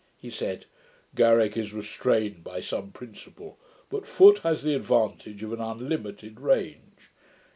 He said, 'Garrick is restrained by some principle; but Foote has the advantage of an unlimited range.